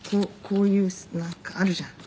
こういう何かあるじゃん。